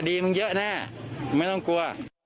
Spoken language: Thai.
กะดีมันเยอะแน่ไม่ต้องกลัว